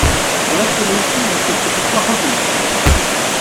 Je resterai ici jusqu’à ce que tu sois revenu.